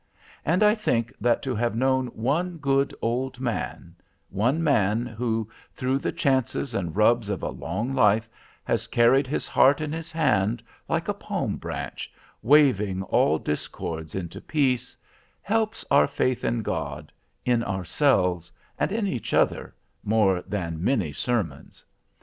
And I think that to have known one good old man—one man who, through the chances and rubs of a long life, has carried his heart in his hand, like a palm branch, waving all discords into peace, helps our faith in God, in ourselves, and in each other, more than many sermons.